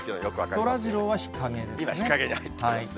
そらジローは日陰ですね。